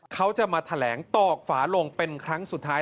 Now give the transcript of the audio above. เขาจะมาแถลงตอกฝาลงเป็นครั้งสุดท้าย